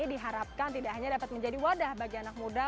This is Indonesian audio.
diharapkan tidak hanya dapat menjadi wadah bagi anak muda